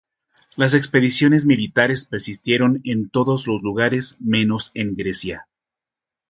Las expediciones militares persistieron en todos los lugares menos en Grecia.